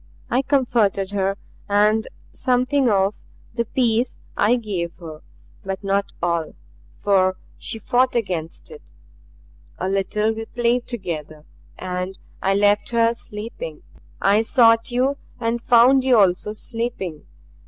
I comforted her, and something of the peace I gave her; but not all, for she fought against it. A little we played together, and I left her sleeping. I sought you and found you also sleeping.